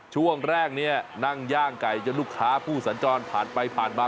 ช่วงแรกนี้นั่งย่างไก่จนลูกค้าผู้สัญจรผ่านไปผ่านมา